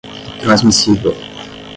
transmissível